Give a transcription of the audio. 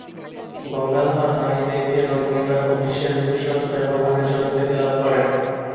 গঙ্গাধর নাড়ি দেখে রোগ নির্ণয় ও বিষের ভেষজ ব্যবহারের জন্য খ্যাতি লাভ করেন।